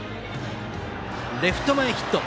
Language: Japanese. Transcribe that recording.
レフト前ヒット。